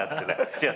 違う。